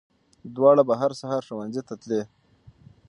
دواړه به هر سهار ښوونځي ته تلې